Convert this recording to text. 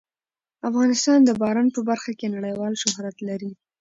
افغانستان د باران په برخه کې نړیوال شهرت لري.